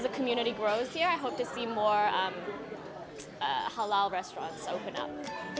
sebagai komunitas yang tumbuh di sini saya berharap bisa melihat lebih banyak restoran halal